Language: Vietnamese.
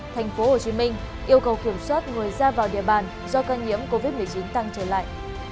tp hcm yêu cầu kiểm soát người ra vào địa bàn do ca nhiễm covid một mươi chín tăng trở lại